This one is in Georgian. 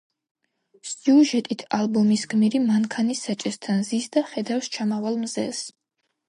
სიუჟეტით, ალბომის გმირი მანქანის საჭესთან ზის და ხედავს ჩამავალ მზეს.